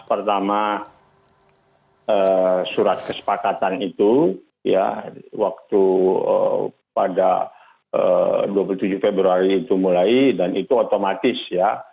pertama surat kesepakatan itu ya waktu pada dua puluh tujuh februari itu mulai dan itu otomatis ya